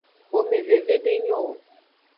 Xomeveve denyo o.